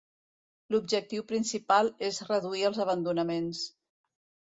L'objectiu principal és reduir els abandonaments.